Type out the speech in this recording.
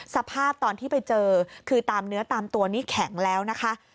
สภาพตอนที่ไปเจอคือตามเนื้อตามตัวนี้แข็งแล้วนะคะ